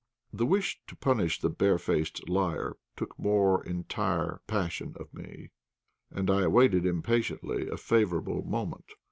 The wish to punish the barefaced liar took more entire possession of me, and I awaited impatiently a favourable moment.